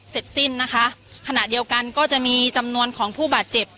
เสร็จสิ้นนะคะขณะเดียวกันก็จะมีจำนวนของผู้บาดเจ็บ